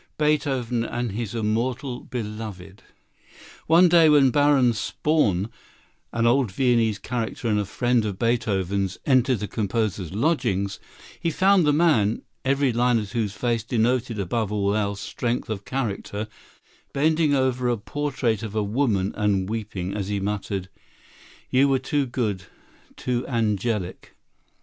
Beethoven and his "Immortal Beloved" One day when Baron Spaun, an old Viennese character and a friend of Beethoven's, entered the composer's lodgings, he found the man, every line of whose face denoted, above all else, strength of character, bending over a portrait of a woman and weeping, as he muttered, "You were too good, too angelic!"